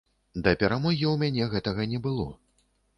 Да перамогі ў мяне гэтага не было.